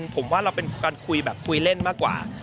ผมว่าเราเป็นการคุยแบบคุยเล่นมากกว่า